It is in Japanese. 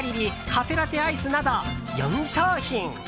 カフェラテアイスなど４商品。